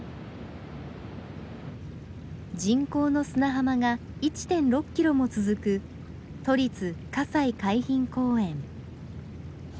人工の砂浜が１．６キロも続く都立西海浜公園。